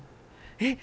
えっ！